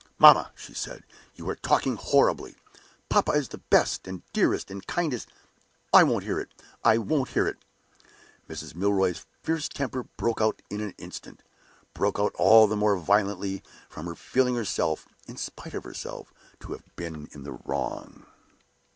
"Mamma!" she said, "you are talking horribly! Papa is the best, and dearest, and kindest oh, I won't hear it! I won't hear it!" Mrs. Milroy's fierce temper broke out in an instant broke out all the more violently from her feeling herself, in spite of herself, to have been in the wrong.